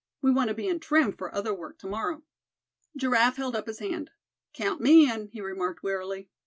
We want to be in trim for other work to morrow." Giraffe held up his hand. "Count me in," he remarked, wearily.